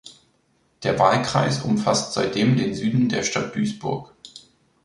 Der Wahlkreis umfasst seitdem den Süden der Stadt Duisburg.